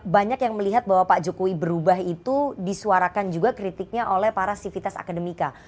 banyak yang melihat bahwa pak jokowi berubah itu disuarakan juga kritiknya oleh para sivitas akademika